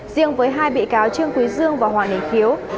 riêng với hai bị cáo trương quý dương và hoàng đình khiếu